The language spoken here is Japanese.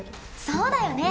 そうだよね。